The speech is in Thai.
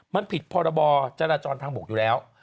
มันผิดพรบจราจรทางบกอยู่แล้ว